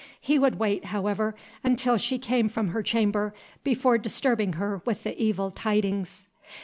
He would wait, however, until she came from her chamber, before disturbing her with the evil tidings.